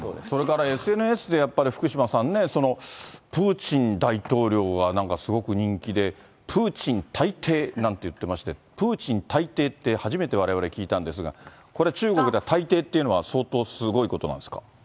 それからＳＮＳでやっぱり、福島さんね、プーチン大統領がなんかすごく人気で、プーチン大帝なんて言ってまして、プーチン大帝って、初めてわれわれ聞いたんですが、これ、中国では大帝っていうのは相当すごいことなんですか。